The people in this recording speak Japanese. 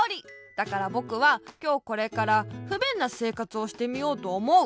だからぼくはきょうこれからふべんなせいかつをしてみようとおもう。